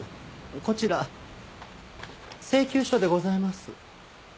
こちら請求書でございます。